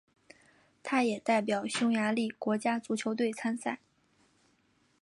他也代表匈牙利国家足球队参赛。